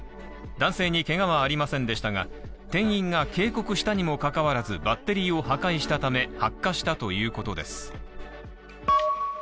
男性にけがはありませんでしたが、店員が警告したにもかかわらず、バッテリーを破壊したため、発火したということです。